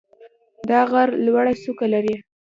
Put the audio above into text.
دا غر لوړه څوکه لري.